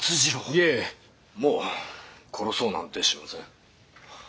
いえもう殺そうなんてしません。